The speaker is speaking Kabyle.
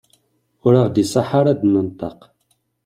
Ur aɣ-d-iṣaḥ ara ad d-nenṭeq.